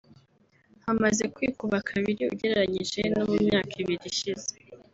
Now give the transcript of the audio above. hamaze kwikuba kabiri ugereranyije no mu myaka ibiri ishize